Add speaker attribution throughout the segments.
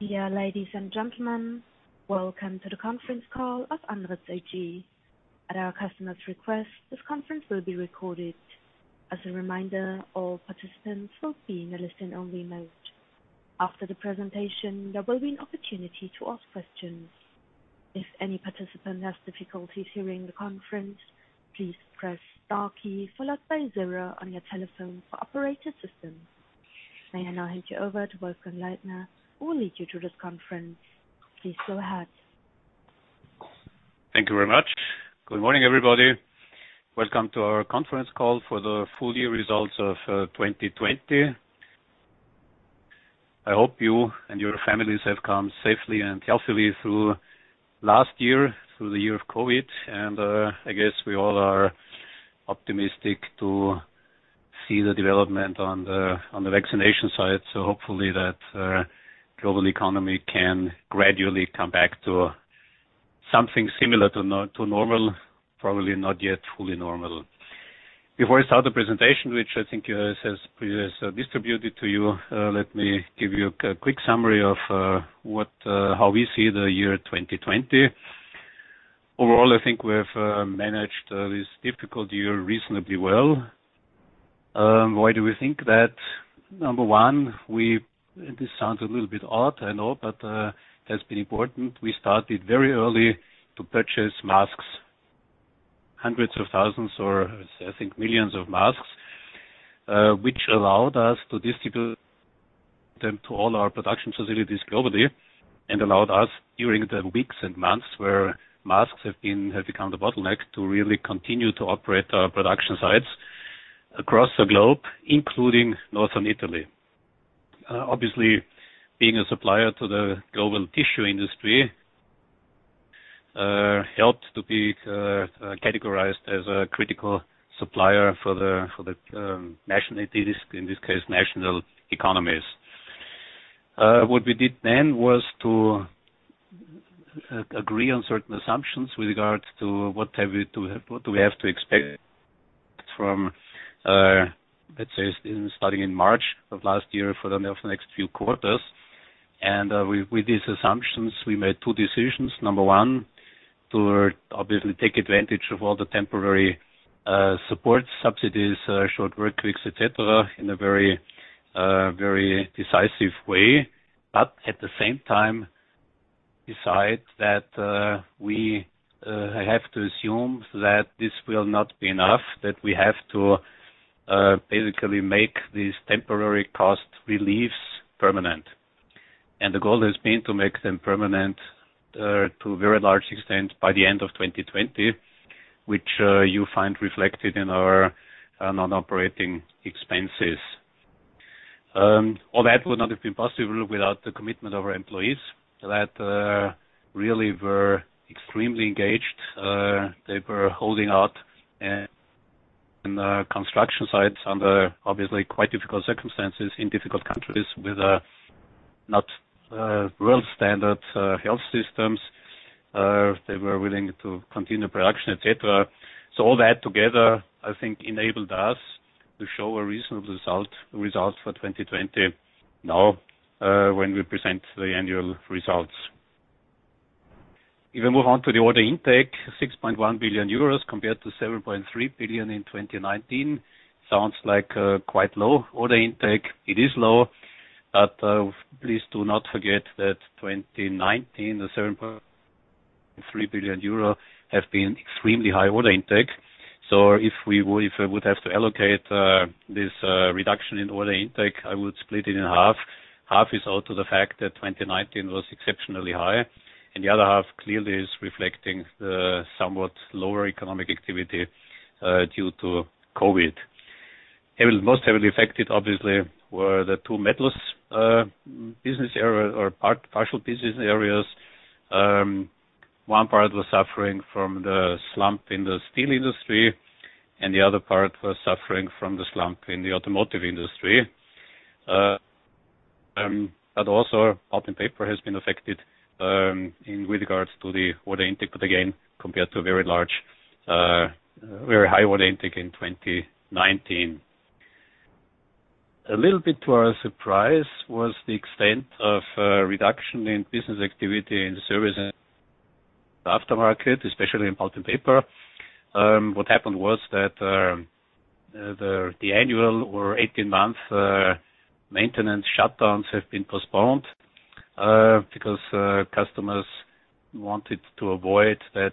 Speaker 1: Dear ladies and gentlemen, welcome to the conference call of Andritz AG. At our customer's request, this conference will be recorded. As a reminder, all participants will be in a listen-only mode. After the presentation, there will be an opportunity to ask questions. If any participant has difficulties hearing the conference, please press star key followed by zero on your telephone for operator assistance. May I now hand you over to Wolfgang Leitner, who will lead you through this conference. Please go ahead.
Speaker 2: Thank you very much. Good morning, everybody. Welcome to our conference call for the full year results of 2020. I hope you and your families have come safely and healthily through last year, through the year of COVID. I guess we all are optimistic to see the development on the vaccination side. Hopefully that global economy can gradually come back to something similar to normal, probably not yet fully normal. Before I start the presentation, which I think has been distributed to you, let me give you a quick summary of how we see the year 2020. Overall, I think we've managed this difficult year reasonably well. Why do we think that? Number 1, this sounds a little bit odd, I know, has been important. We started very early to purchase masks, hundreds of thousands, or I think millions of masks, which allowed us to distribute them to all our production facilities globally and allowed us, during the weeks and months where masks have become the bottleneck, to really continue to operate our production sites across the globe, including Northern Italy. Obviously, being a supplier to the global tissue industry, helped to be categorized as a critical supplier for the, in this case, national economies. What we did then was to agree on certain assumptions with regards to what do we have to expect from, let's say, starting in March of last year for the next few quarters. With these assumptions, we made two decisions. Number one, to obviously take advantage of all the temporary support subsidies, short workweeks, et cetera, in a very decisive way, but at the same time, decide that we have to assume that this will not be enough, that we have to basically make these temporary cost reliefs permanent. The goal has been to make them permanent to a very large extent by the end of 2020, which you find reflected in our non-operating expenses. All that would not have been possible without the commitment of our employees that really were extremely engaged. They were holding out in the construction sites under obviously quite difficult circumstances in difficult countries with not world-standard health systems. They were willing to continue production, et cetera. All that together, I think, enabled us to show a reasonable result for 2020 now when we present the annual results. If we move on to the order intake, 6.1 billion euros compared to 7.3 billion in 2019. Sounds like a quite low order intake. It is low, but please do not forget that 2019, the 7.3 billion euro, has been extremely high order intake. If I would have to allocate this reduction in order intake, I would split it in half. Half is due to the fact that 2019 was exceptionally high, and the other half clearly is reflecting the somewhat lower economic activity due to COVID. Most heavily affected, obviously, were the two Metals business areas or partial business areas. One part was suffering from the slump in the steel industry, and the other part was suffering from the slump in the automotive industry. Also Pulp & Paper has been affected with regards to the order intake, but again, compared to a very high order intake in 2019. A little bit to our surprise was the extent of reduction in business activity in the service and aftermarket, especially in Pulp & Paper. What happened was that the annual or 18-month maintenance shutdowns have been postponed because customers wanted to avoid that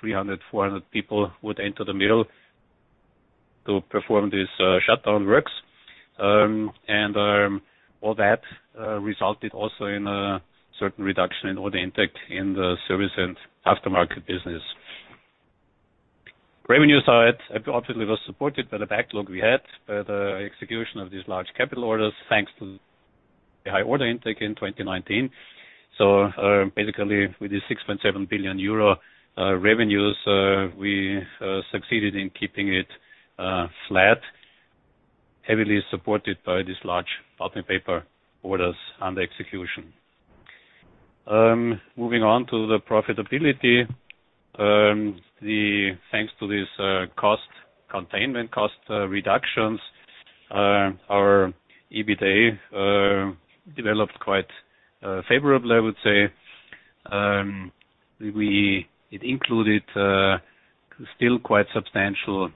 Speaker 2: 300, 400 people would enter the mill to perform these shutdown works. All that resulted also in a certain reduction in order intake in the service and aftermarket business. Revenue side obviously was supported by the backlog we had, by the execution of these large capital orders, thanks to the high order intake in 2019. Basically, with the 6.7 billion euro revenues, we succeeded in keeping it flat, heavily supported by these large Pulp & Paper orders under execution. Moving on to the profitability. Thanks to this cost containment, cost reductions, our EBITA developed quite favorably, I would say. It included still quite substantial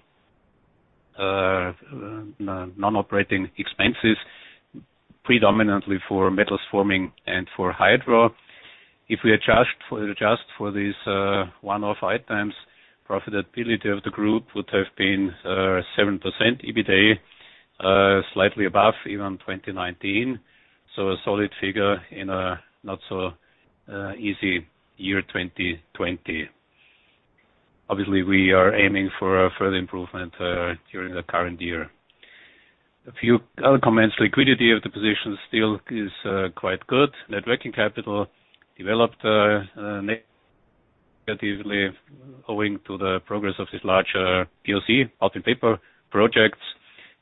Speaker 2: non-operating expenses, predominantly for Metals Forming and for Hydro. If we adjust for these one-off items, profitability of the group would have been 7% EBITA, slightly above even 2019. A solid figure in a not so easy year 2020. Obviously, we are aiming for a further improvement during the current year. A few other comments. Liquidity of the position still is quite good. Net working capital developed negatively owing to the progress of this larger POC, Pulp & Paper projects,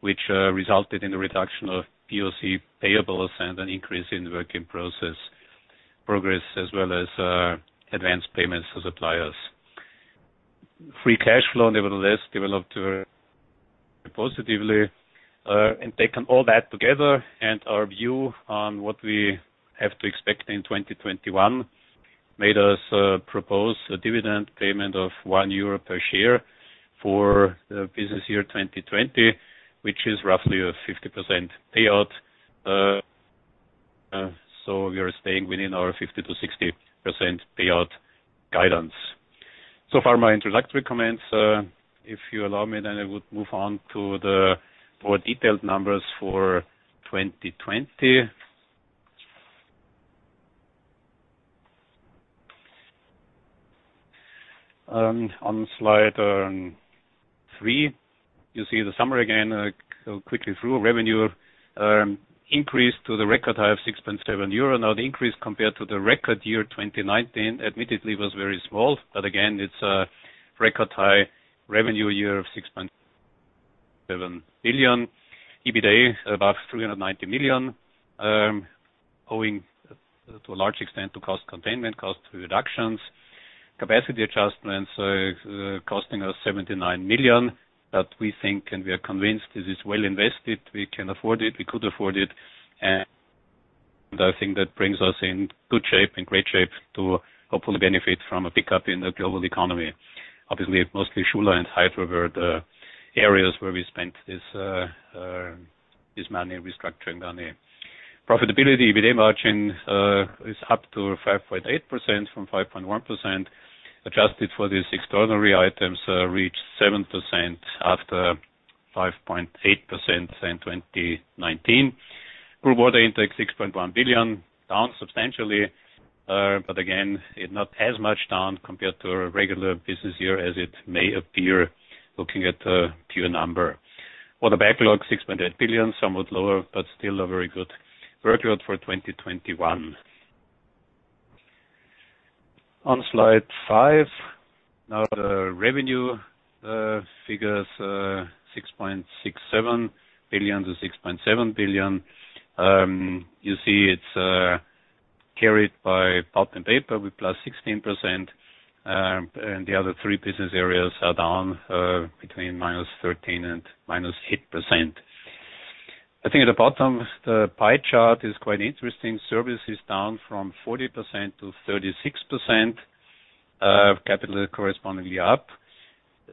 Speaker 2: which resulted in the reduction of POC payables and an increase in work in progress, as well as advanced payments to suppliers. Free cash flow, nevertheless, developed positively. Taken all that together and our view on what we have to expect in 2021, made us propose a dividend payment of 1 euro per share for the business year 2020, which is roughly a 50% payout. We are staying within our 50%-60% payout guidance. Far, my introductory comments. If you allow me, I would move on to the more detailed numbers for 2020. On slide three, you see the summary again. I'll go quickly through. Revenue increased to the record high of 6.7 euro. The increase compared to the record year 2019 admittedly was very small, but again, it's a record high revenue year of 6.7 billion. EBITA, about 390 million, owing to a large extent to cost containment, cost reductions. Capacity adjustments costing us 79 million, but we think, and we are convinced, this is well invested. We can afford it, we could afford it. I think that brings us in good shape, in great shape to hopefully benefit from a pickup in the global economy. Obviously, mostly Schuler and Hydro were the areas where we spent this money, restructuring money. Profitability, EBITA margin is up to 5.8% from 5.1%. Adjusted for these extraordinary items, reached 7% after 5.8% in 2019. Group order intake, 6.1 billion, down substantially. Again, not as much down compared to a regular business year as it may appear looking at a pure number. Order backlog, 6.8 billion, somewhat lower, but still a very good workload for 2021. On slide five, now the revenue figures, 6.67 billion to 6.7 billion. You see it's carried by Pulp & Paper with +16%, and the other three business areas are down between -13% and -8%. I think at the bottom, the pie chart is quite interesting. Service is down from 40%-36%, capital correspondingly up.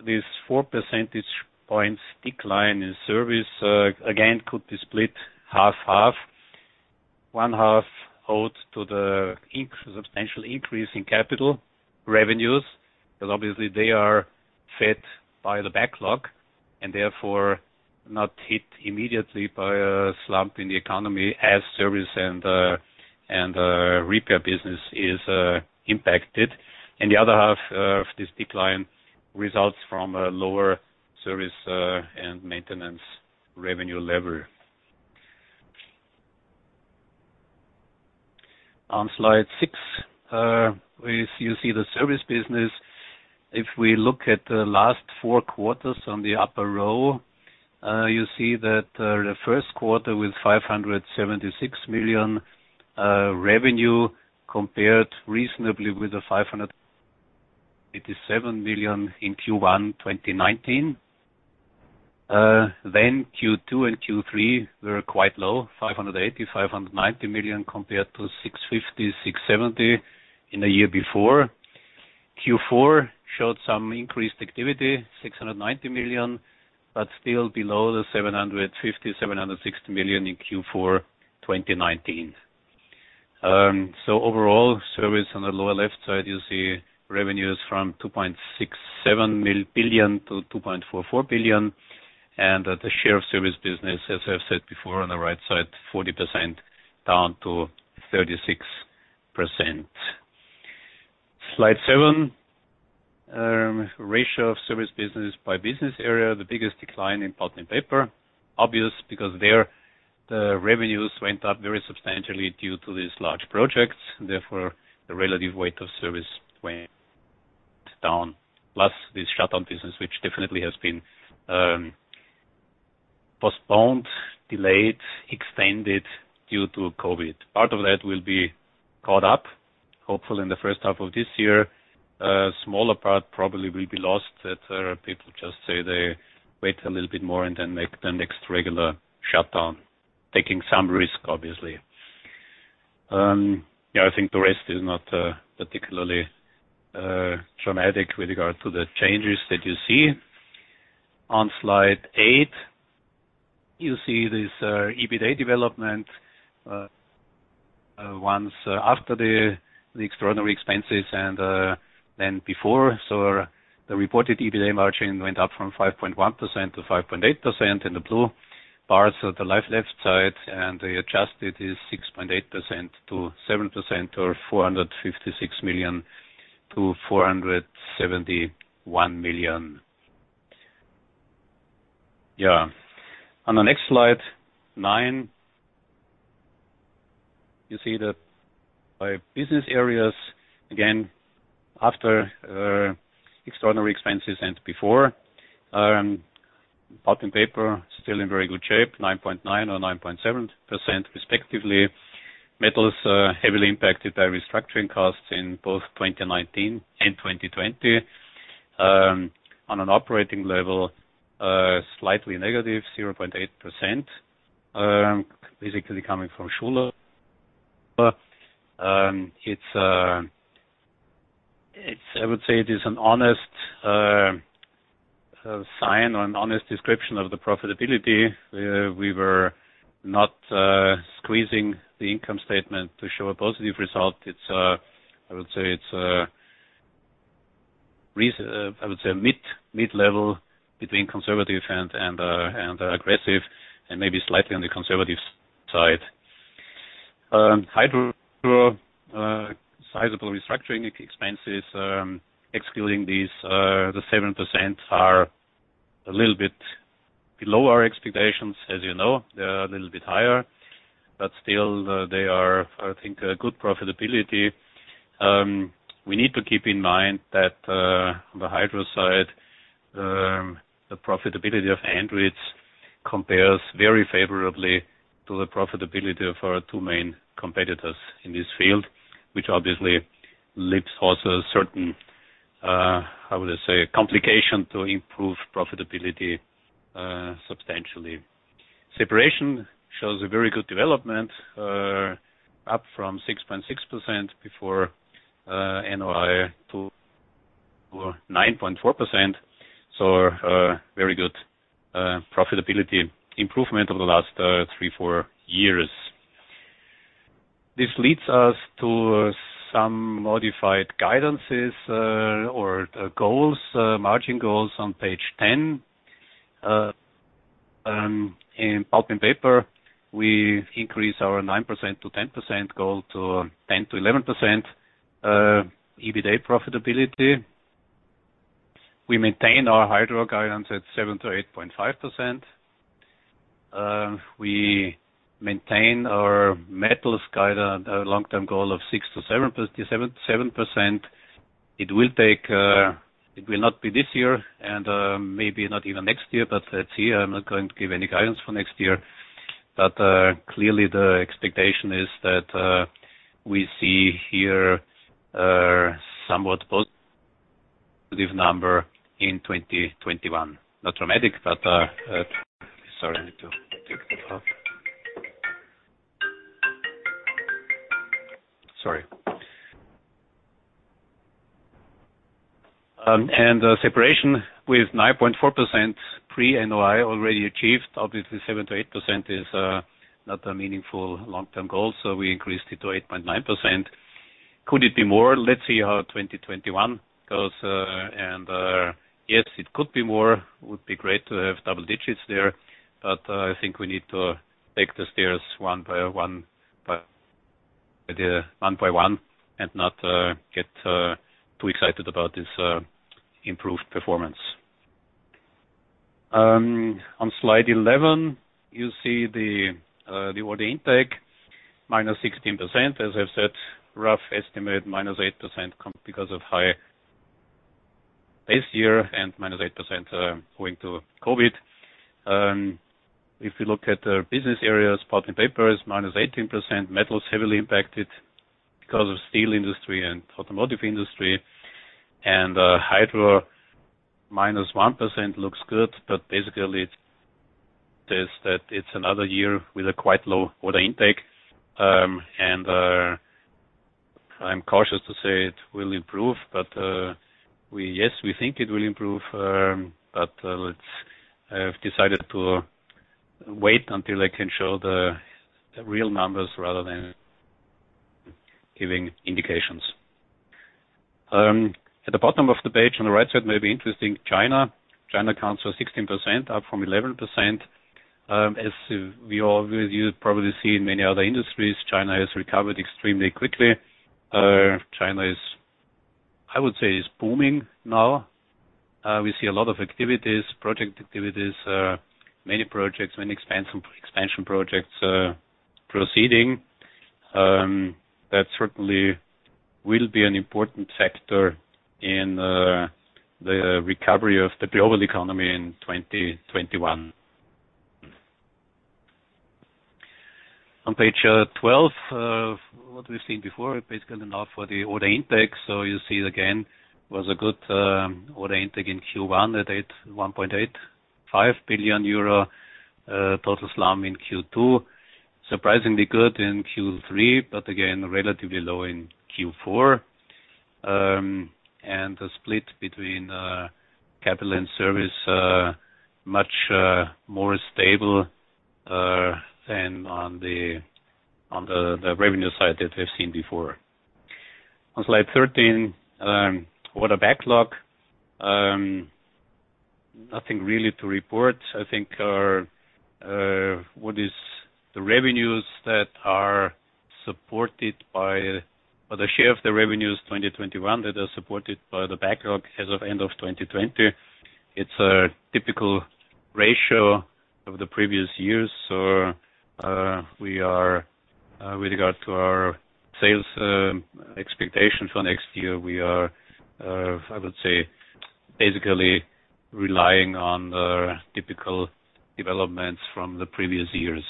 Speaker 2: This four percentage points decline in service, again, could be split half/half. One half owed to the substantial increase in capital revenues, because obviously they are fed by the backlog and therefore not hit immediately by a slump in the economy as service and repair business is impacted. The other half of this decline results from a lower service and maintenance revenue level. On slide six, you see the service business. If we look at the last four quarters on the upper row, you see that the first quarter with 576 million revenue compared reasonably with the 587 million in Q1 2019. Q2 and Q3 were quite low, 580 million, 590 million compared to 650 million, 670 million in the year before. Q4 showed some increased activity, 690 million, still below the 750 million-760 million in Q4 2019. Overall, service on the lower left side, you see revenues from 2.67 billion-2.44 billion. The share of service business, as I've said before on the right side, 40% down to 36%. Slide seven. Ratio of service business by business area. The biggest decline in Pulp & Paper, obvious because there the revenues went up very substantially due to these large projects, therefore the relative weight of service went down. This shutdown business, which definitely has been postponed, delayed, extended due to COVID. Part of that will be caught up, hopefully in the first half of this year. A smaller part probably will be lost, that people just say they wait a little bit more and then make the next regular shutdown, taking some risk, obviously. I think the rest is not particularly dramatic with regard to the changes that you see. On slide eight, you see this EBITDA development once after the extraordinary expenses and then before. The reported EBITDA margin went up from 5.1%-5.8% in the blue bars at the left side, and the adjusted is 6.8%-7%, or EUR 456 million-EUR 471 million. On the next slide, nine, you see the business areas again after extraordinary expenses and before. Pulp & Paper, still in very good shape, 9.9% or 9.7% respectively. Metals, heavily impacted by restructuring costs in both 2019 and 2020. On an operating level, slightly negative, 0.8%, basically coming from Schuler. I would say it is an honest sign or an honest description of the profitability. We were not squeezing the income statement to show a positive result. I would say it's mid-level between conservative and aggressive, and maybe slightly on the conservative side. Hydro, sizable restructuring expenses. Excluding these, the 7% are a little bit below our expectations. As you know, they are a little bit higher, but still they are, I think, a good profitability. We need to keep in mind that on the Hydro side, the profitability of Andritz compares very favorably to the profitability of our two main competitors in this field, which obviously leaves also a certain, how would I say, complication to improve profitability substantially. Separation shows a very good development, up from 6.6% before NOI to 9.4%. A very good profitability improvement over the last three, four years. This leads us to some modified guidances or margin goals on page 10. In Pulp & Paper, we increase our 9%-10% goal to 10%-11% EBITDA profitability. We maintain our Hydro guidance at 7%-8.5%. We maintain our Metals long-term goal of 6%-7%. It will not be this year and maybe not even next year. Let's see, I'm not going to give any guidance for next year. Clearly the expectation is that we see here a somewhat positive number in 2021. Not dramatic. Sorry, I need to take the call. Sorry. Separation with 9.4% pre-NOI already achieved. Obviously, 7%-8% is not a meaningful long-term goal, we increased it to 8.9%. Could it be more? Let's see how 2021 goes. Yes, it could be more. It would be great to have double digits there, I think we need to take the stairs one by one and not get too excited about this improved performance. On slide 11, you see the order intake, minus 16%. As I've said, rough estimate, -8% because of high base year and -8% owing to COVID. If you look at the business areas, Pulp & Paper is -18%, Metals heavily impacted because of steel industry and automotive industry, and Hydro, -1% looks good, but basically it says that it's another year with a quite low order intake. I'm cautious to say it will improve, but yes, we think it will improve, but I have decided to wait until I can show the real numbers rather than giving indications. At the bottom of the page on the right side may be interesting, China. China accounts for 16%, up from 11%. As you probably see in many other industries, China has recovered extremely quickly. China, I would say, is booming now. We see a lot of activities, project activities, many projects, many expansion projects proceeding. That certainly will be an important factor in the recovery of the global economy in 2021. On page 12, what we've seen before, basically now for the order intake. You see it again, was a good order intake in Q1 at 1.85 billion euro. Total slump in Q2. Surprisingly good in Q3, but again, relatively low in Q4. The split between capital and service, much more stable than on the revenue side that we've seen before. On slide 13, order backlog. Nothing really to report. I think what is the revenues or the share of the revenues 2021 that are supported by the backlog as of end of 2020. It's a typical ratio of the previous years. With regard to our sales expectation for next year, we are, I would say, basically relying on the typical developments from the previous years.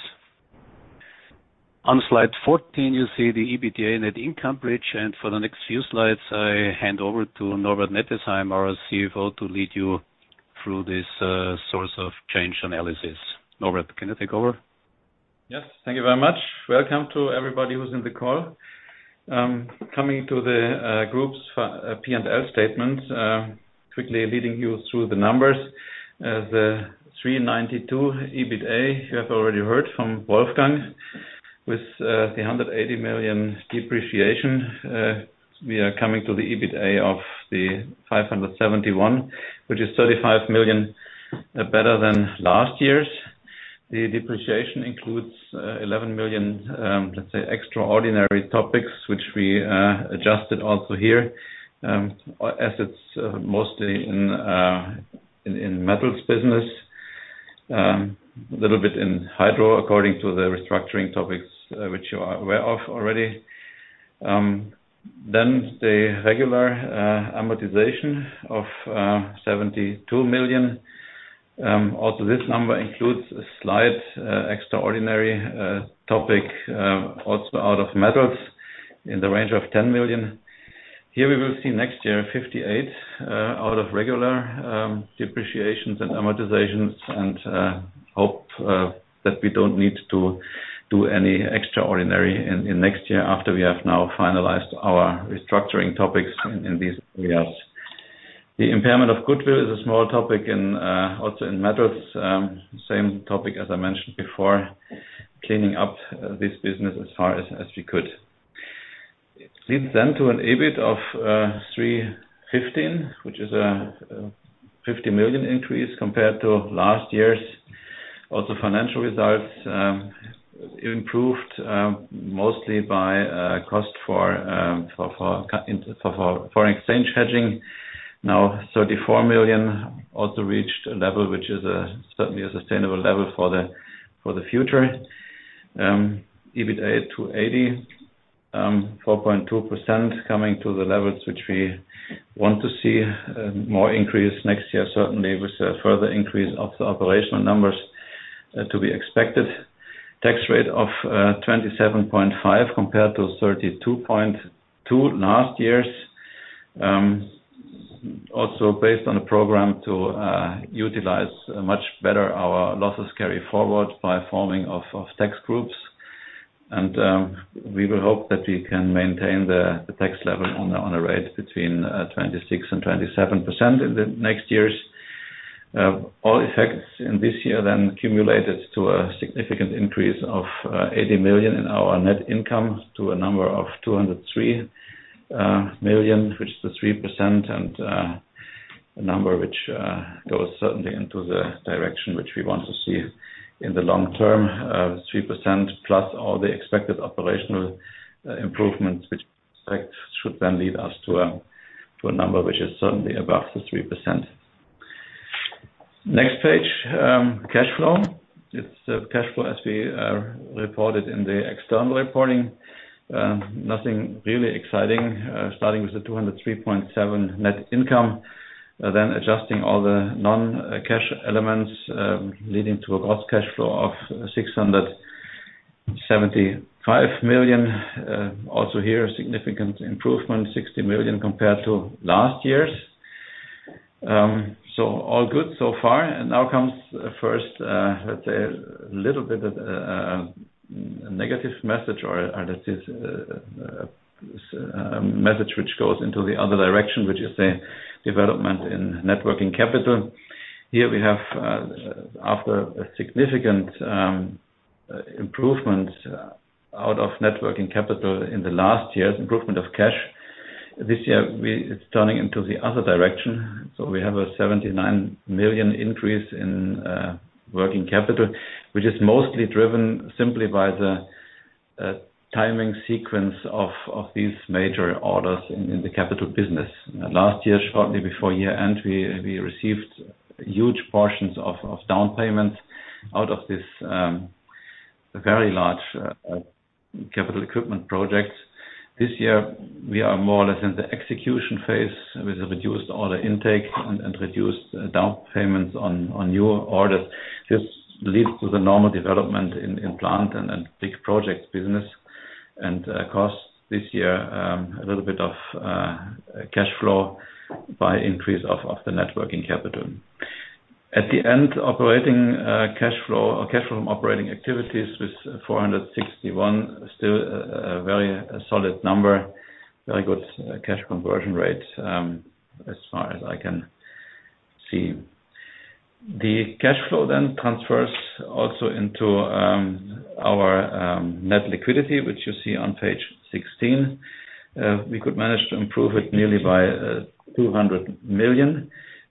Speaker 2: On slide 14, you see the EBITDA net income bridge. For the next few slides, I hand over to Norbert Nettesheim, our CFO, to lead you through this source of change analysis. Norbert, can you take over?
Speaker 3: Yes, thank you very much. Welcome to everybody who's in the call. Coming to the group's P&L statement. Quickly leading you through the numbers. The 392 EBITA, you have already heard from Wolfgang, with the 180 million depreciation. We are coming to the EBITDA of the 571, which is 35 million better than last year's. The depreciation includes 11 million, let's say, extraordinary topics, which we adjusted also here. Assets mostly in Metals business. A little bit in Hydro according to the restructuring topics, which you are aware of already. The regular amortization of 72 million. Also, this number includes a slight extraordinary topic, also out of Metals in the range of 10 million. Here we will see next year 58 out of regular depreciations and amortizations and hope that we don't need to do any extraordinary in next year after we have now finalized our restructuring topics in these areas. The impairment of goodwill is a small topic also in Metals. Same topic as I mentioned before, cleaning up this business as far as we could. It leads then to an EBIT of 315, which is a 50 million increase compared to last year's. Also financial results improved, mostly by cost for foreign exchange hedging. 34 million also reached a level which is certainly a sustainable level for the future. EBITDA at 280, 4.2% coming to the levels which we want to see more increase next year, certainly with a further increase of the operational numbers to be expected. Tax rate of 27.5% compared to 32.2% last year's. Based on a program to utilize much better our loss carryforward by forming of tax groups. We will hope that we can maintain the tax level on a rate between 26% and 27% in the next years. All effects in this year accumulated to a significant increase of 80 million in our net income to a number of 203 million, which is the 3% and a number which goes certainly into the direction which we want to see in the long term. 3% plus all the expected operational improvements, which should then lead us to a number which is certainly above the 3%. Next page, cash flow. It's cash flow as we reported in the external reporting. Nothing really exciting. Starting with the 203.7 net income, then adjusting all the non-cash elements, leading to a gross cash flow of 675 million. Here, a significant improvement, 60 million compared to last year's. All good so far. Now comes first, let's say, a little bit of a negative message or let's say a message which goes into the other direction, which is the development in net working capital. Here we have, after a significant improvement out of net working capital in the last year's improvement of cash, this year it's turning into the other direction. We have a 79 million increase in working capital, which is mostly driven simply by the timing sequence of these major orders in the capital business. Last year, shortly before year-end, we received huge portions of down payments out of this a very large capital equipment project. This year, we are more or less in the execution phase with a reduced order intake and reduced down payments on newer orders. This leads to the normal development in plant and big project business, and costs this year, a little bit of cash flow by increase of the net working capital. At the end, operating cash flow or cash from operating activities with 461, still a very solid number, very good cash conversion rate, as far as I can see. The cash flow then transfers also into our net liquidity, which you see on page 16. We could manage to improve it nearly by 200 million.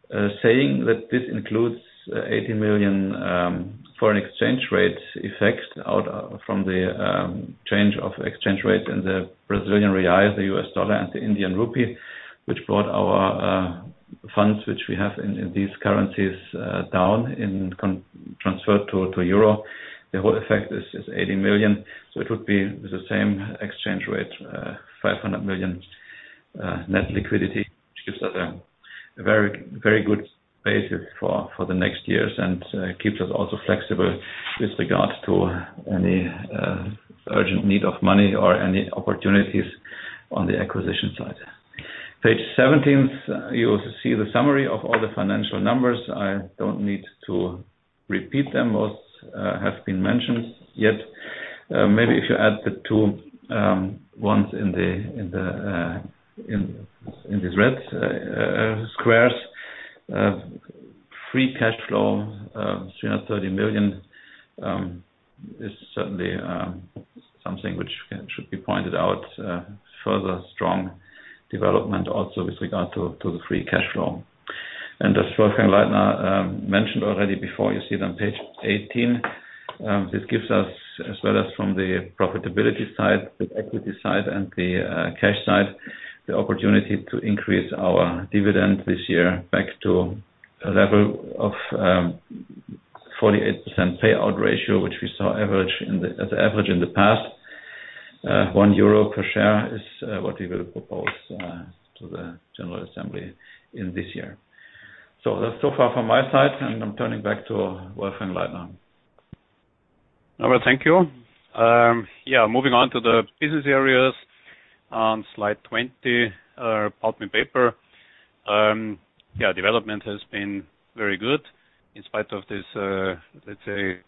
Speaker 3: Saying that this includes 80 million foreign exchange rate effects out from the change of exchange rate in the Brazilian real, the US dollar, and the Indian rupee, which brought our funds, which we have in these currencies, down in transfer to euro. The whole effect is 80 million. It would be the same exchange rate, 500 million net liquidity, which gives us a very good basis for the next years and keeps us also flexible with regards to any urgent need of money or any opportunities on the acquisition side. Page 17, you also see the summary of all the financial numbers. I don't need to repeat them, most have been mentioned. Maybe if you add the two ones in the red squares. Free cash flow, 330 million, is certainly something which should be pointed out. Further strong development also with regard to the free cash flow. As Wolfgang Leitner mentioned already before, you see it on page 18. This gives us, as well as from the profitability side, the equity side, and the cash side, the opportunity to increase our dividend this year back to a level of 48% payout ratio, which we saw as average in the past. 1 euro per share is what we will propose to the general assembly in this year. That's so far from my side, and I'm turning back to Wolfgang Leitner.
Speaker 2: All right, thank you. Moving on to the business areas. On slide 20, Pulp & Paper. Development has been very good in spite of this, let's say,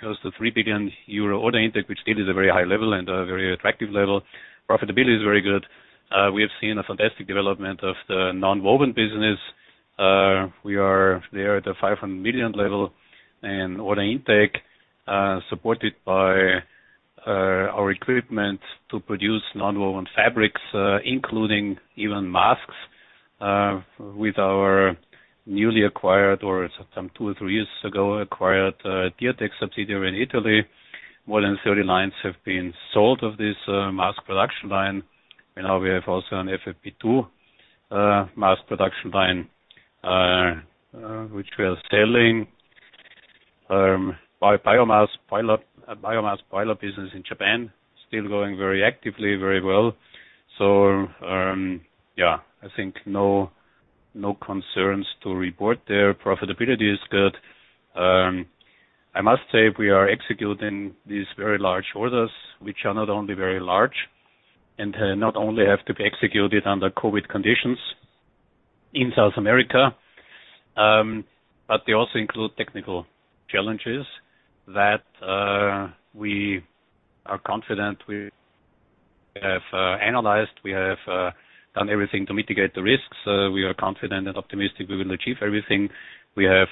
Speaker 2: close to 3 billion euro order intake, which still is a very high level and a very attractive level. Profitability is very good. We have seen a fantastic development of the nonwoven business. We are there at the 500 million level in order intake, supported by our equipment to produce nonwoven fabrics, including even masks with our newly acquired, or some two or three years ago, acquired Diatec subsidiary in Italy. More than 30 lines have been sold of this mask production line, and now we have also an FFP2 mask production line, which we are selling. Our biomass boiler business in Japan, still going very actively, very well. I think no concerns to report there. Profitability is good. I must say, we are executing these very large orders, which are not only very large and not only have to be executed under COVID conditions in South America, but they also include technical challenges that we are confident we have analyzed. We have done everything to mitigate the risks. We are confident and optimistic we will achieve everything. We have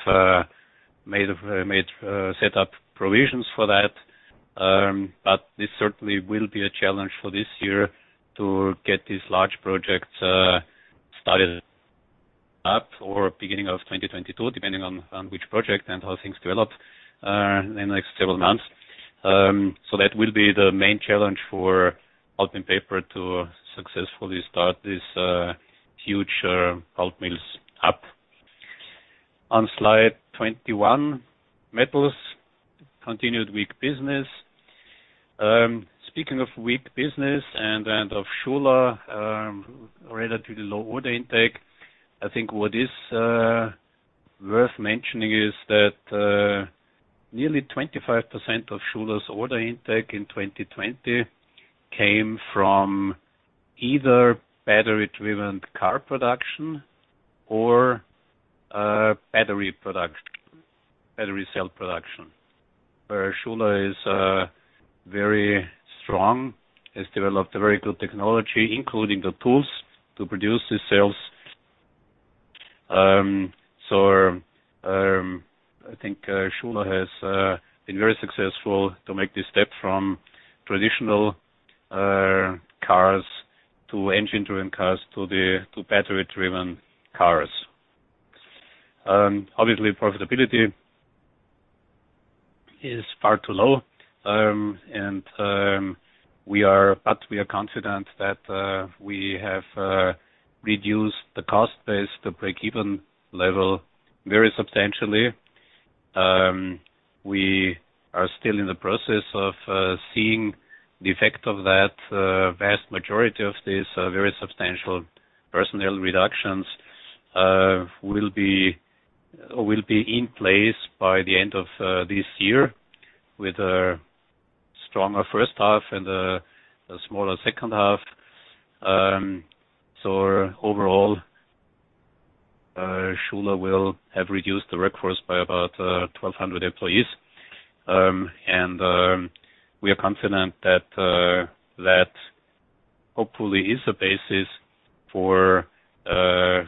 Speaker 2: set up provisions for that. This certainly will be a challenge for this year to get these large projects started up or beginning of 2022, depending on which project and how things develop in the next several months. That will be the main challenge for Pulp & Paper to successfully start these huge pulp mills up. On slide 21, Metals. Continued weak business. Speaking of weak business and of Schuler, relatively low order intake. I think what is worth mentioning is that nearly 25% of Schuler's order intake in 2020 came from either battery-driven car production or battery cell production, where Schuler is very strong, has developed a very good technology, including the tools to produce these cells. I think Schuler has been very successful to make this step from traditional cars to engine-driven cars to battery-driven cars. Obviously, profitability is far too low. We are confident that we have reduced the cost base, the breakeven level very substantially. We are still in the process of seeing the effect of that. A vast majority of these very substantial personnel reductions will be in place by the end of this year, with a stronger first half and a smaller second half. Overall, Schuler will have reduced the workforce by about 1,200 employees. We are confident that hopefully is a basis for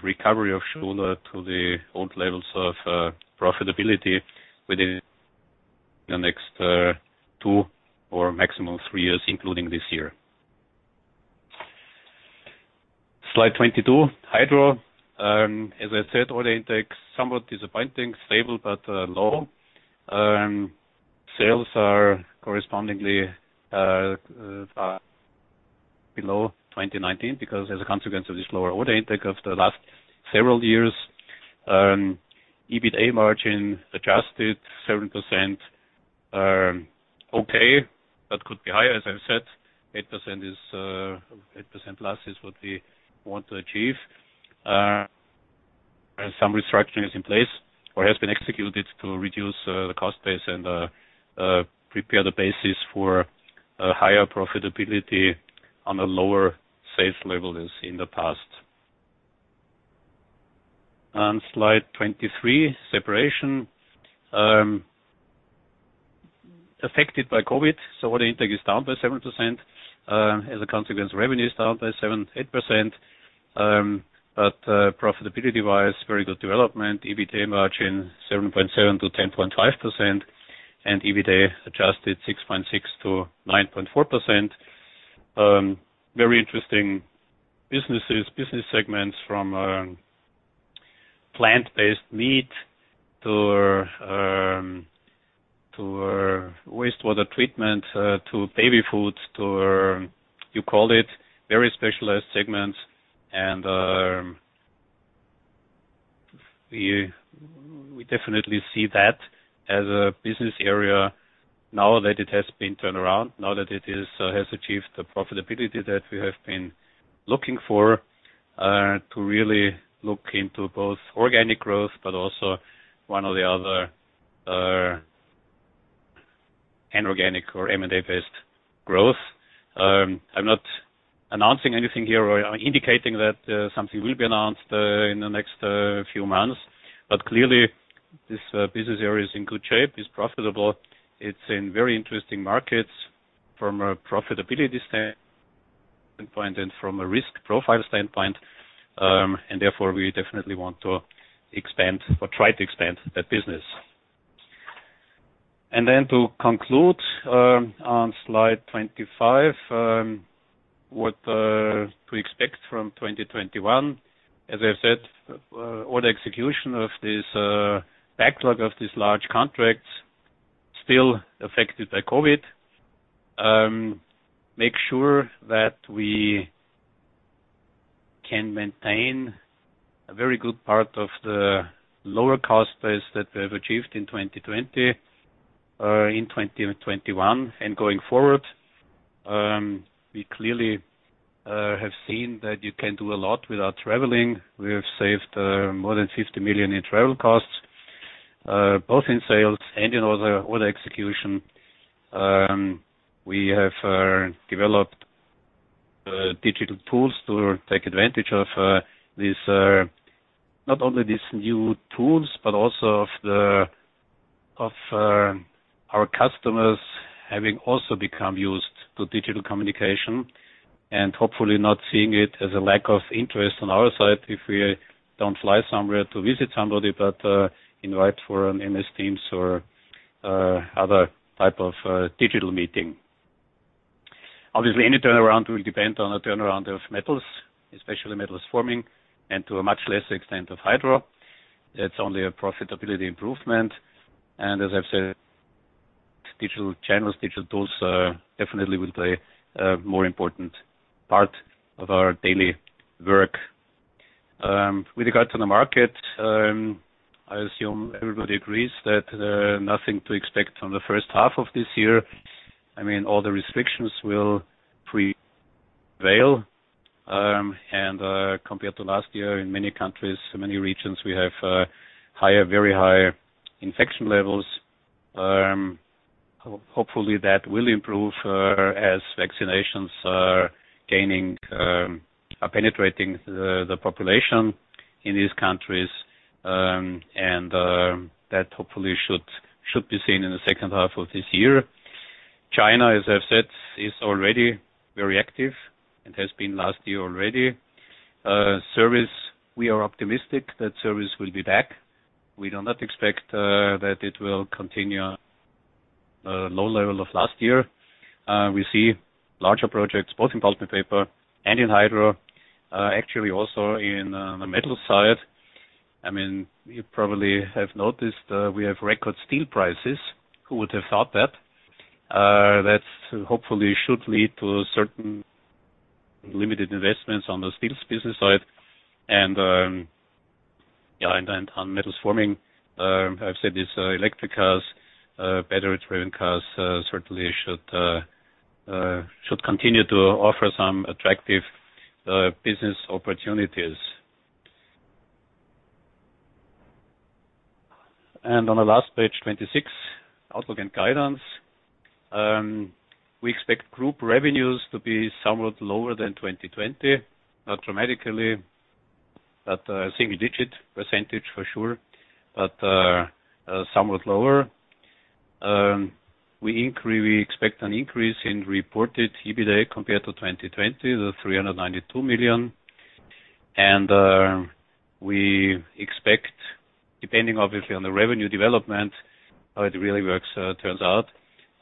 Speaker 2: recovery of Schuler to the old levels of profitability within the next two or maximum three years, including this year. Slide 22, Hydro. As I said, order intake, somewhat disappointing. Stable, low. Sales are correspondingly below 2019 because as a consequence of this lower order intake of the last several years. EBITDA margin adjusted 7% are okay, could be higher. As I've said, 8% plus is what we want to achieve. Some restructuring is in place or has been executed to reduce the cost base and prepare the basis for a higher profitability on a lower sales level as in the past. On slide 23, Separation. Affected by COVID, order intake is down by 7%. As a consequence, revenue is down by 7, 8%, profitability-wise, very good development. EBITDA margin 7.7%-10.5%, and EBITDA adjusted 6.6%-9.4%. Very interesting businesses, business segments from plant-based meat to wastewater treatment, to baby food, to you call it, very specialized segments. We definitely see that as a business area now that it has been turned around, now that it has achieved the profitability that we have been looking for to really look into both organic growth, but also one or the other inorganic or M&A-based growth. I'm not announcing anything here or indicating that something will be announced in the next few months, but clearly this business area is in good shape, is profitable. It's in very interesting markets from a profitability standpoint and from a risk profile standpoint, and therefore we definitely want to expand or try to expand that business. To conclude, on slide 25, what to expect from 2021. As I said, order execution of this backlog of these large contracts still affected by COVID. Make sure that we can maintain a very good part of the lower cost base that we have achieved in 2020, in 2021, and going forward. We clearly have seen that you can do a lot without traveling. We have saved more than 50 million in travel costs, both in sales and in order execution. We have developed digital tools to take advantage of not only these new tools, but also of our customers having also become used to digital communication and hopefully not seeing it as a lack of interest on our side if we don't fly somewhere to visit somebody, but invite for an MS Teams or other type of digital meeting. Obviously, any turnaround will depend on a turnaround of Metals, especially Metals Forming, and to a much lesser extent of Hydro. It's only a profitability improvement. As I've said, digital channels, digital tools definitely will play a more important part of our daily work. With regard to the market, I assume everybody agrees that nothing to expect from the first half of this year. All the restrictions will prevail. Compared to last year, in many countries, many regions, we have very high infection levels. Hopefully, that will improve as vaccinations are penetrating the population in these countries, and that hopefully should be seen in the second half of this year. China, as I've said, is already very active and has been last year already. Service, we are optimistic that service will be back. We do not expect that it will continue low level of last year. We see larger projects both in Pulp & Paper and in Hydro, actually also in the Metals side. You probably have noticed we have record steel prices. Hopefully should lead to certain limited investments on the steel business side and on Metals Forming. I've said this, electric cars, battery-driven cars, certainly should continue to offer some attractive business opportunities. On the last page, 26, outlook and guidance. We expect group revenues to be somewhat lower than 2020, not dramatically, but a single-digit % for sure, but somewhat lower. We expect an increase in reported EBITA compared to 2020, the 392 million. We expect, depending obviously on the revenue development, how it really works turns out,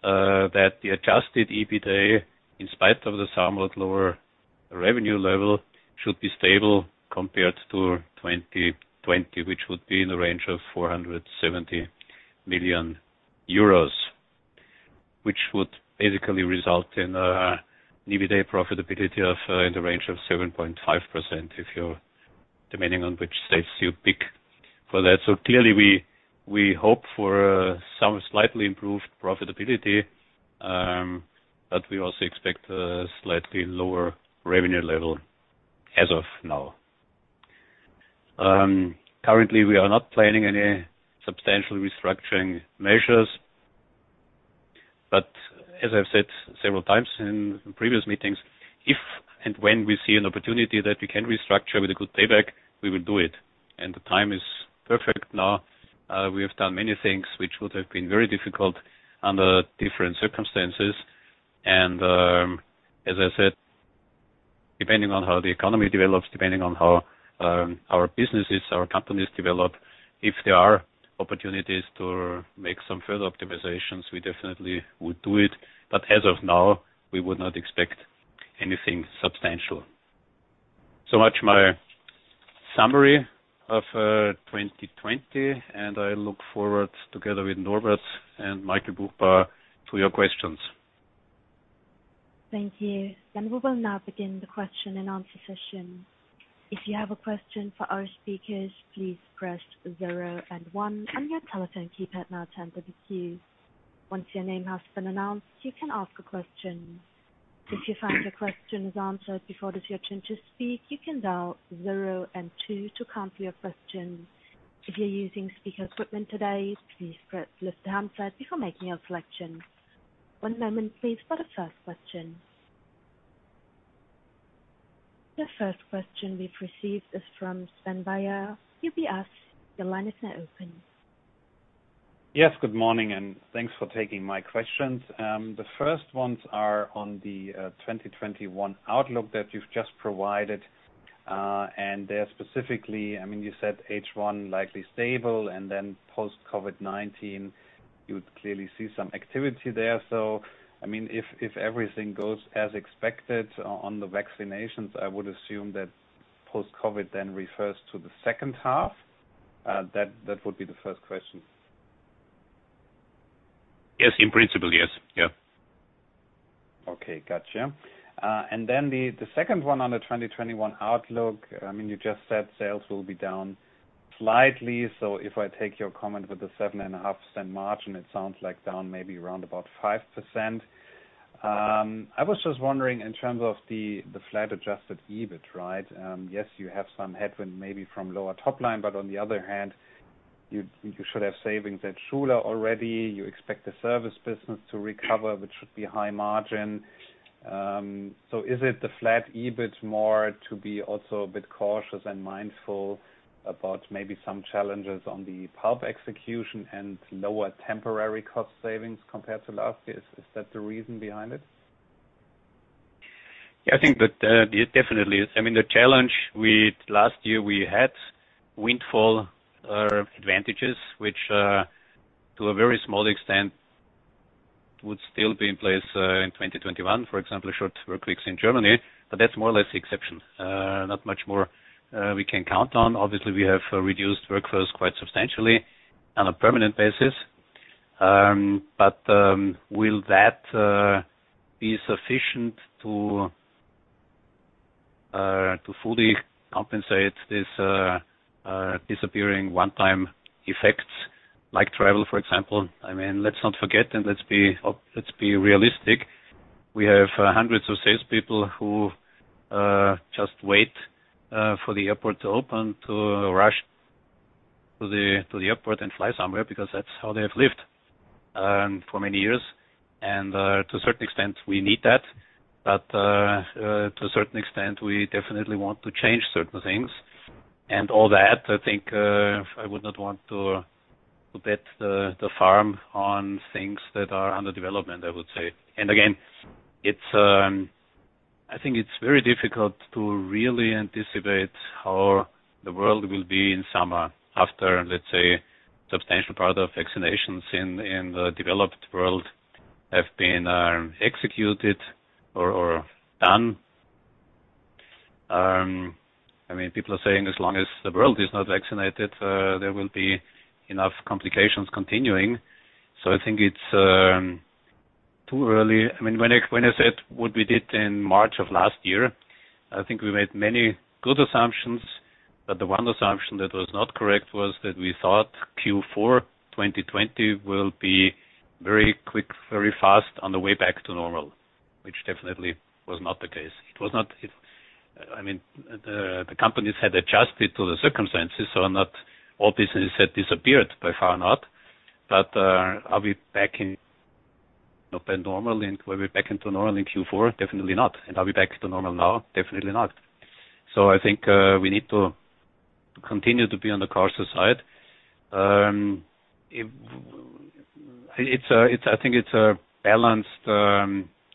Speaker 2: that the adjusted EBITA, in spite of the somewhat lower revenue level, should be stable compared to 2020, which would be in the range of 470 million euros. Which would basically result in a EBITA profitability in the range of 7.5%, depending on which stats you pick for that. Clearly, we hope for some slightly improved profitability, but we also expect a slightly lower revenue level as of now. Currently, we are not planning any substantial restructuring measures. As I've said several times in previous meetings, if and when we see an opportunity that we can restructure with a good payback, we will do it. The time is perfect now. We have done many things which would have been very difficult under different circumstances. As I said, depending on how the economy develops, depending on how our businesses, our companies develop, if there are opportunities to make some further optimizations, we definitely would do it. As of now, we would not expect anything substantial. Much my summary of 2020, and I look forward, together with Norbert and Michael Buchbauer, to your questions.
Speaker 1: Thank you. We will now begin the question and answer session. If you have a question for our speakers, please press zero and one on your telephone keypad now to unmute you. Once your name has been announced, you can ask a question. If you find your question is answered before it is your turn to speak, you can dial zero and two to cancel your question. If you're using speaker equipment today, please lift the handset before making your selection. One moment please for the first question. The first question we've received is from Sven Weier, UBS. Your line is now open.
Speaker 4: Yes, good morning, and thanks for taking my questions. The first ones are on the 2021 outlook that you've just provided. There specifically, you said H1 likely stable, and then post-COVID-19, you would clearly see some activity there. If everything goes as expected on the vaccinations, I would assume that post-COVID then refers to the second half. That would be the first question.
Speaker 2: Yes. In principle, yes. Yeah.
Speaker 4: Okay. Got you. The second one on the 2021 outlook, you just said sales will be down slightly. If I take your comment with the 7.5% margin, it sounds like down maybe around about 5%. I was just wondering in terms of the flat adjusted EBIT. You have some headwind maybe from lower top line, but on the other hand, you should have savings at Schuler already. You expect the service business to recover, which should be high margin. Is it the flat EBIT more to be also a bit cautious and mindful about maybe some challenges on the Pulp execution and lower temporary cost savings compared to last year? Is that the reason behind it?
Speaker 2: Yeah, I think that definitely. The challenge with last year, we had windfall advantages, which to a very small extent would still be in place, in 2021. For example, short workweeks in Germany, but that's more or less the exception. Not much more we can count on. Obviously, we have reduced workforce quite substantially on a permanent basis. Will that be sufficient to fully compensate this disappearing one-time effects like travel, for example. Let's not forget, and let's be realistic. We have hundreds of salespeople who just wait for the airport to open, to rush to the airport and fly somewhere, because that's how they have lived for many years. To a certain extent, we need that. To a certain extent, we definitely want to change certain things. All that, I think, I would not want to bet the farm on things that are under development, I would say. Again, I think it's very difficult to really anticipate how the world will be in summer after, let's say, substantial part of vaccinations in the developed world have been executed or done. People are saying as long as the world is not vaccinated, there will be enough complications continuing. I think it's too early. When I said what we did in March of last year, I think we made many good assumptions, but the one assumption that was not correct was that we thought Q4 2020 will be very quick, very fast on the way back to normal, which definitely was not the case. The companies had adjusted to the circumstances, so not all businesses had disappeared, by far not. Are we back into normal in Q4? Definitely not. Are we back to normal now? Definitely not. I think we need to continue to be on the cautious side. I think it's a balanced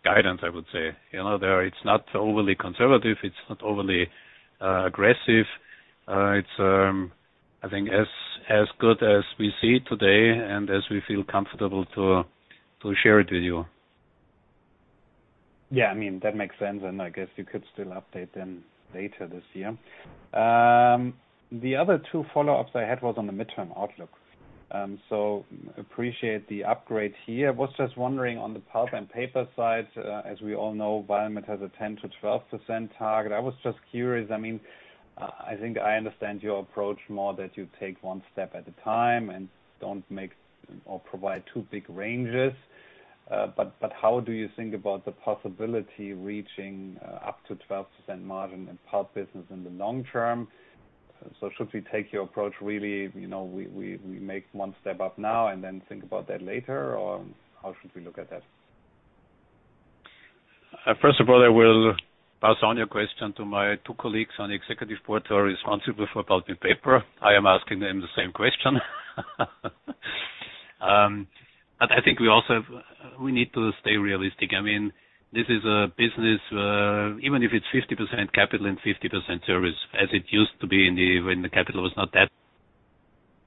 Speaker 2: guidance, I would say. It's not overly conservative, it's not overly aggressive. It's, I think as good as we see it today and as we feel comfortable to share it with you.
Speaker 4: That makes sense, I guess you could still update them later this year. The other two follow-ups I had was on the midterm outlook. Appreciate the upgrade here. Was just wondering on the Pulp & Paper side, as we all know, Voith has a 10%-12% target. I was just curious, I think I understand your approach more that you take one step at a time and don't make or provide two big ranges. How do you think about the possibility reaching up to 12% margin in Pulp business in the long term? Should we take your approach really, we make one step up now and then think about that later, or how should we look at that?
Speaker 2: First of all, I will pass on your question to my two colleagues on the executive board who are responsible for Pulp & Paper. I am asking them the same question. I think we need to stay realistic. This is a business, even if it's 50% capital and 50% service as it used to be when the capital was not that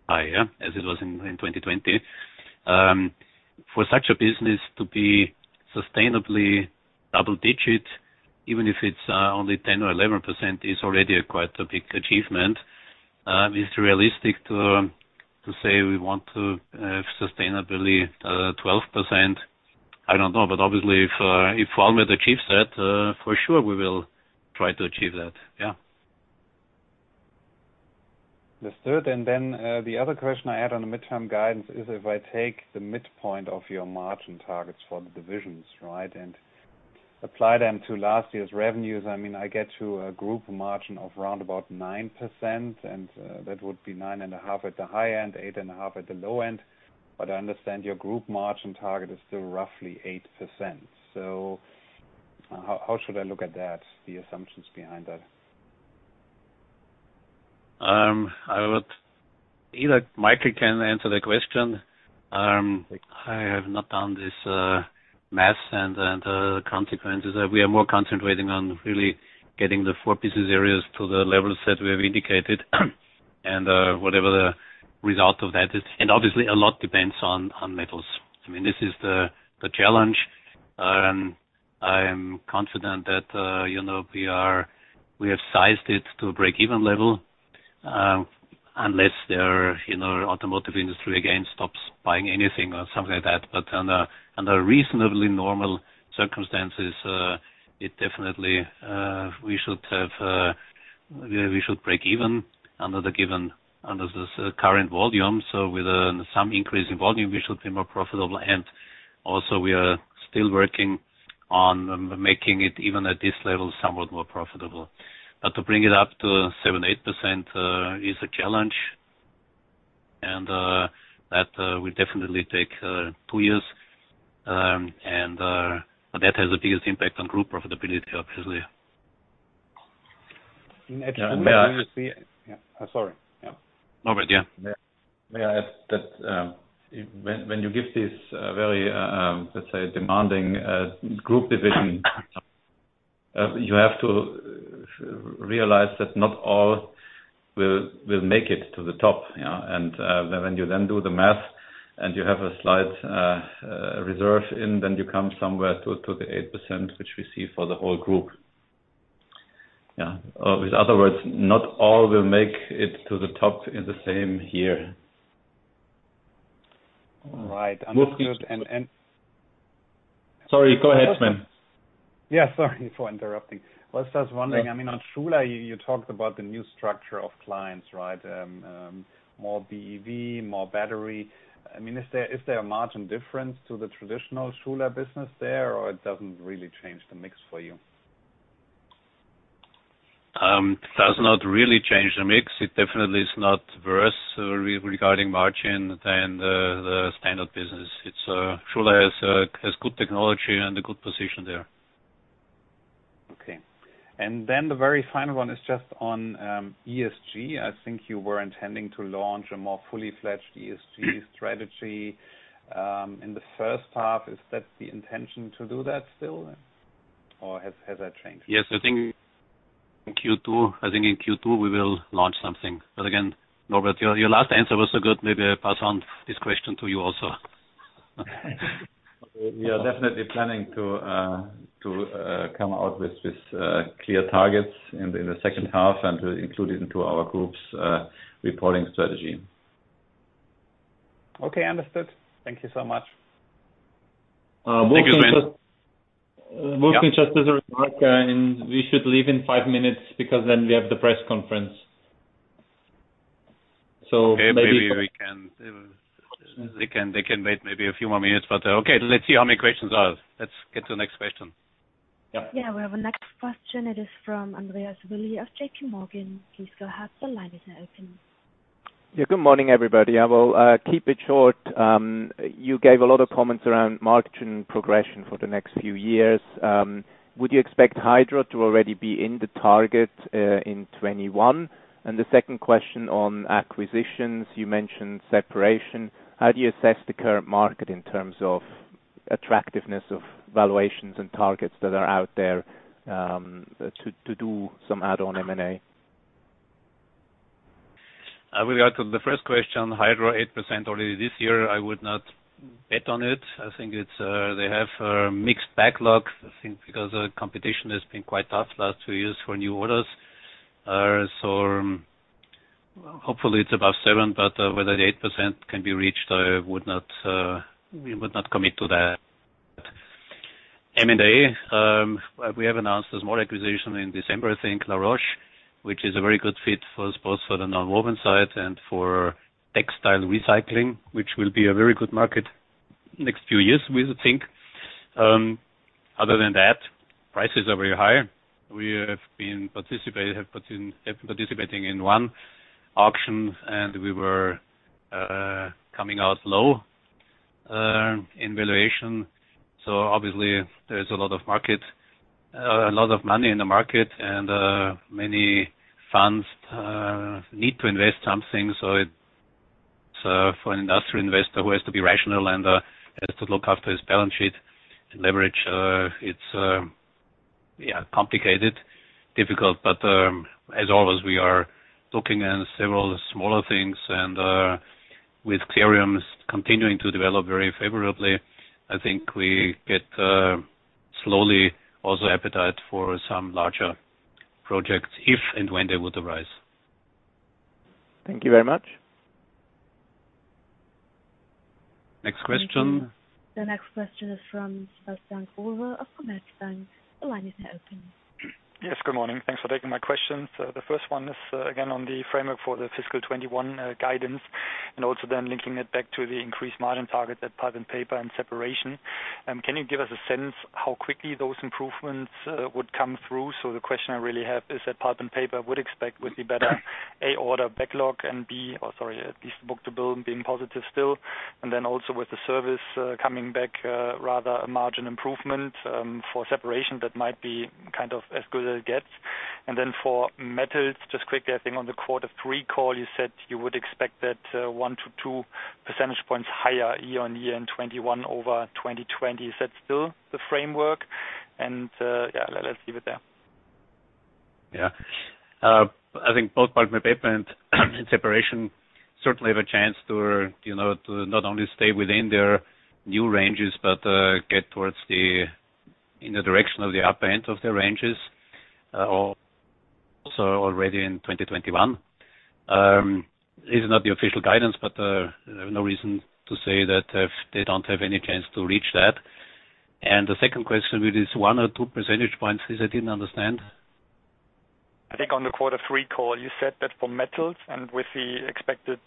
Speaker 2: high as it was in 2020. For such a business to be sustainably double-digit, even if it's only 10% or 11%, is already quite a big achievement. Is it realistic to say we want to have sustainably 12%? I don't know. Obviously, if Voith achieves that, for sure we will try to achieve that. Yeah.
Speaker 4: Understood. The other question I had on the midterm guidance is if I take the midpoint of your margin targets for the divisions and apply them to last year's revenues, I get to a group margin of around 9%, and that would be 9.5% at the high end, 8.5% at the low end. I understand your group margin target is still roughly 8%. How should I look at that, the assumptions behind that?
Speaker 2: Either Michael can answer the question. I have not done this math and the consequences. We are more concentrating on really getting the four business areas to the levels that we have indicated and whatever the result of that is. Obviously, a lot depends on Metals. This is the challenge. I am confident that we have sized it to a break-even level, unless the automotive industry again stops buying anything or something like that. Under reasonably normal circumstances, definitely we should break even under the current volume. With some increase in volume, we should be more profitable, and also we are still working on making it, even at this level, somewhat more profitable. To bring it up to 7%, 8% is a challenge, and that will definitely take two years. That has the biggest impact on Group profitability, obviously.
Speaker 4: Sorry.
Speaker 2: No, but yeah.
Speaker 3: May I add that when you give this very, let's say, demanding group division, you have to realize that not all will make it to the top. When you then do the math and you have a slight reserve in, then you come somewhere to the 8%, which we see for the whole group. Yeah. In other words, not all will make it to the top in the same year.
Speaker 4: Right. Understood.
Speaker 3: Sorry, go ahead, Sven.
Speaker 4: Yeah, sorry for interrupting. I was just wondering, on Schuler, you talked about the new structure of clients. More BEV, more battery. Is there a margin difference to the traditional Schuler business there, or it doesn't really change the mix for you?
Speaker 2: It does not really change the mix. It definitely is not worse regarding margin than the standard business. Schuler has good technology and a good position there.
Speaker 4: Okay. The very final one is just on ESG. I think you were intending to launch a more fully-fledged ESG strategy in the first half. Is that the intention to do that still, or has that changed?
Speaker 2: In Q2. I think in Q2 we will launch something. Again, Norbert, your last answer was so good, maybe I pass on this question to you also.
Speaker 3: We are definitely planning to come out with clear targets in the second half and to include it into our Group's reporting strategy.
Speaker 4: Okay, understood. Thank you so much.
Speaker 3: Thank you, Sven.
Speaker 5: Wolfgang, just as a remark, we should leave in five minutes because then we have the press conference.
Speaker 2: They can wait maybe a few more minutes. Okay, let's see how many questions are. Let's get to the next question.
Speaker 3: Yep.
Speaker 1: Yeah, we have a next question. It is from Andreas Willi of JPMorgan. Please go ahead. The line is now open.
Speaker 6: Yeah, good morning, everybody. I will keep it short. You gave a lot of comments around margin progression for the next few years. Would you expect Hydro to already be in the target in 2021? The second question on acquisitions, you mentioned Separation. How do you assess the current market in terms of attractiveness of valuations and targets that are out there, to do some add-on M&A?
Speaker 2: I will go to the first question, Hydro 8% already this year. I would not bet on it. I think they have a mixed backlog, I think because competition has been quite tough the last two years for new orders. Hopefully it's above seven, but whether the 8% can be reached, we would not commit to that. M&A, we have announced a small acquisition in December, I think Laroche, which is a very good fit for us, both for the nonwoven side and for textile recycling, which will be a very good market next few years, we think. Other than that, prices are very high. We have been participating in one auction, we were coming out low in valuation. Obviously there is a lot of money in the market, many funds need to invest something. For an industrial investor who has to be rational and has to look after his balance sheet and leverage, it's complicated, difficult. As always, we are looking at several smaller things, and with Clarium continuing to develop very favorably, I think we get slowly also appetite for some larger projects if and when they would arise.
Speaker 6: Thank you very much.
Speaker 2: Next question.
Speaker 1: The next question is from Sebastian Olver of Commerzbank. The line is now open.
Speaker 7: Good morning. Thanks for taking my questions. The first one is again on the framework for the fiscal 2021 guidance. Also linking it back to the increased margin target at Pulp & Paper and Separation. Can you give us a sense how quickly those improvements would come through? The question I really have is at Pulp & Paper, would expect would be better, A, order backlog, at least book-to-bill being positive still. Also with the service coming back, rather a margin improvement for Separation that might be as good as it gets. For Metals, just quickly, I think on the quarter three call, you said you would expect that 1-2 percentage points higher year-on-year in 2021 over 2020. Is that still the framework? Yeah, let's leave it there.
Speaker 2: Yeah. I think both Pulp & Paper and Separation certainly have a chance to not only stay within their new ranges but get towards in the direction of the upper end of their ranges also already in 2021. This is not the official guidance, but there is no reason to say that they don't have any chance to reach that. The second question with this one or two percentage points is, I didn't understand.
Speaker 7: I think on the quarter three call, you said that for Metals and with the expected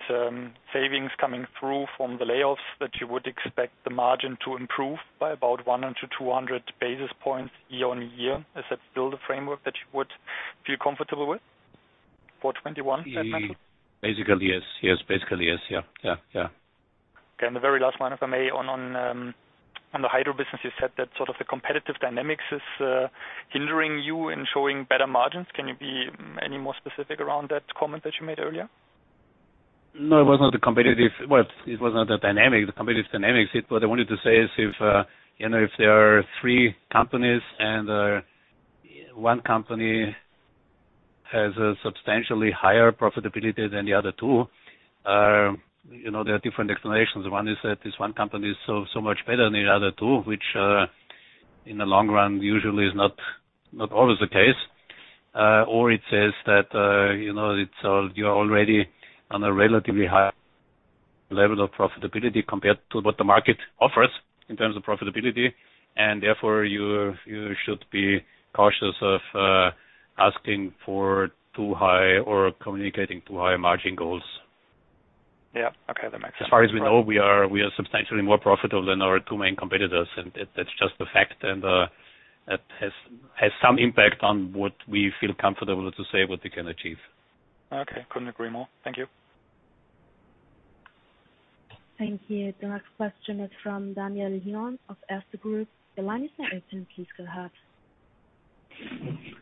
Speaker 7: savings coming through from the layoffs, that you would expect the margin to improve by about 100-200 basis points year-on-year. Is that still the framework that you would feel comfortable with for 2021 at Metals?
Speaker 2: Basically, yes. Yeah.
Speaker 7: Okay. The very last one, if I may, on the Hydro business, you said that sort of the competitive dynamics is hindering you in showing better margins. Can you be any more specific around that comment that you made earlier?
Speaker 2: Well, it was not the dynamic, the competitive dynamics. What I wanted to say is if there are three companies and one company has a substantially higher profitability than the other two, there are different explanations. One is that this one company is so much better than the other two, which in the long run usually is not always the case. It says that you are already on a relatively high level of profitability compared to what the market offers in terms of profitability, and therefore you should be cautious of asking for too high or communicating too high margin goals.
Speaker 7: Yeah. Okay, that makes sense.
Speaker 2: As far as we know, we are substantially more profitable than our two main competitors. That's just a fact. That has some impact on what we feel comfortable to say what we can achieve.
Speaker 7: Okay. Couldn't agree more. Thank you.
Speaker 1: Thank you. The next question is from Daniel Lion of Erste Group. The line is now open. Please go ahead.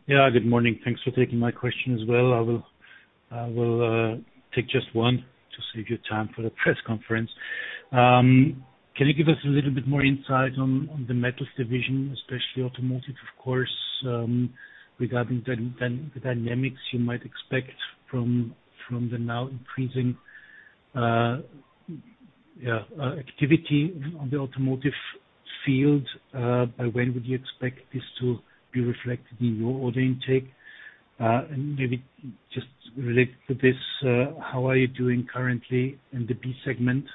Speaker 8: Yeah, good morning. Thanks for taking my question as well. I will take just one to save you time for the press conference. Can you give us a little bit more insight on the Metals division, especially automotive, of course, regarding the dynamics you might expect from the now increasing activity on the automotive field. By when would you expect this to be reflected in your order intake? Maybe just related to this, how are you doing currently in the B segment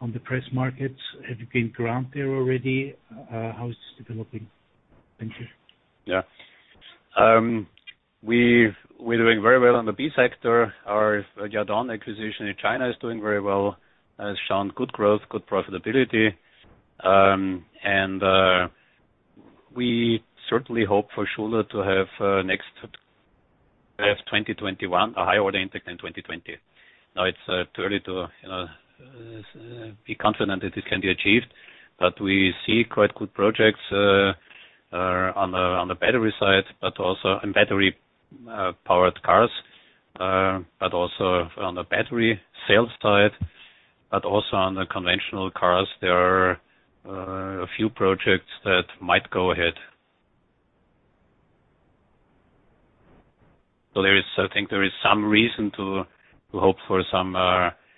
Speaker 8: on the press markets? Have you gained ground there already? How is this developing? Thank you.
Speaker 2: Yeah. We're doing very well on the B sector. Our Yadon acquisition in China is doing very well, has shown good growth, good profitability. We certainly hope for Schuler to have 2021 a higher order intake than 2020. Now it's too early to be confident that this can be achieved, but we see quite good projects on the battery side, on battery-powered cars, but also on the battery cells side, but also on the conventional cars, there are a few projects that might go ahead. I think there is some reason to hope for some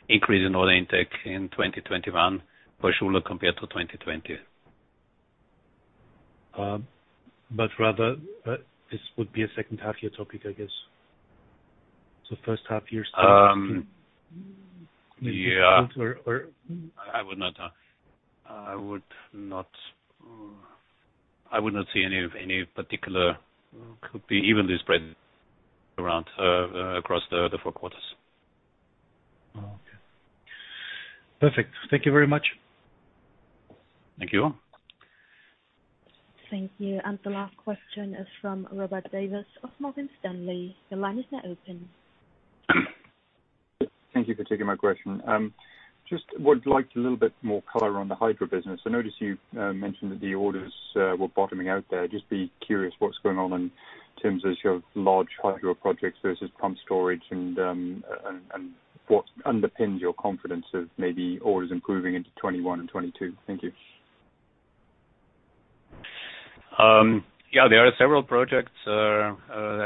Speaker 2: increase in order intake in 2021 for Schuler compared to 2020.
Speaker 8: Rather, this would be a second half year topic, I guess. First half year.
Speaker 2: Yeah.
Speaker 8: Or?
Speaker 2: I will not see any of particular, could be evenly spread across the four quarters.
Speaker 8: Okay. Perfect. Thank you very much.
Speaker 2: Thank you.
Speaker 1: Thank you. The last question is from Robert Davis of Morgan Stanley. The line is now open.
Speaker 9: Thank you for taking my question. Just would like a little bit more color on the Hydro business. I noticed you mentioned that the orders were bottoming out there. Just be curious what's going on in terms of your large Hydro projects versus pumped-storage and what underpins your confidence of maybe orders improving into 2021 and 2022? Thank you.
Speaker 2: Yeah, there are several projects that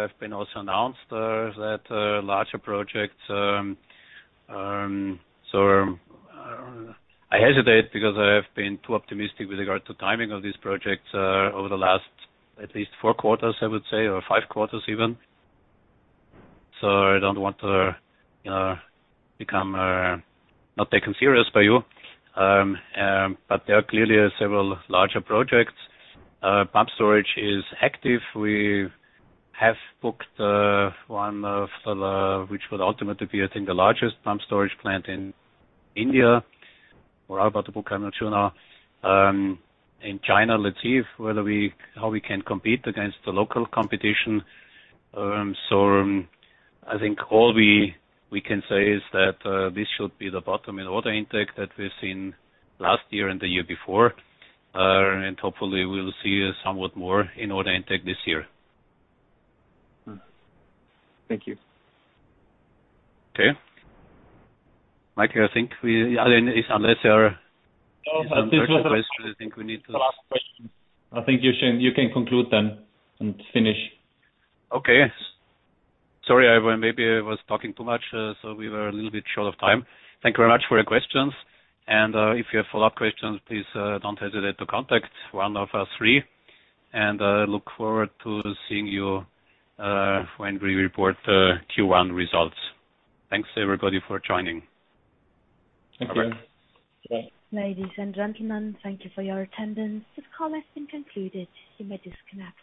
Speaker 2: have been also announced that are larger projects. I hesitate because I have been too optimistic with regard to timing of these projects, over the last at least four quarters, I would say, or five quarters even. I don't want to become not taken serious by you. There are clearly several larger projects. Pumped-storage is active. We have booked one of the which would ultimately be, I think, the largest pumped-storage plant in India. We're about to book, I'm not sure now. In China, let's see how we can compete against the local competition. I think all we can say is that this should be the bottom in order intake that we've seen last year and the year before. Hopefully we'll see somewhat more in order intake this year.
Speaker 9: Thank you.
Speaker 2: Okay. Michael, I think unless there are further questions.
Speaker 5: This was the last question.
Speaker 2: I think you can conclude then and finish. Okay. Sorry, maybe I was talking too much, so we were a little bit short of time. Thank you very much for your questions. If you have follow-up questions, please don't hesitate to contact one of us three. I look forward to seeing you when we report the Q1 results. Thanks everybody for joining.
Speaker 5: Thank you.
Speaker 1: Ladies and gentlemen, thank you for your attendance. This call has been concluded. You may disconnect.